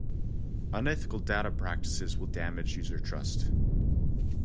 Unethical data practices will damage user trust.